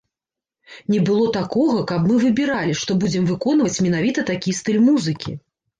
Не было такога, каб мы выбіралі, што будзем выконваць менавіта такі стыль музыкі.